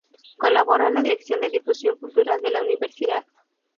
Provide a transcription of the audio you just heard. Colaboró en la dirección de Difusión Cultural de la Universidad.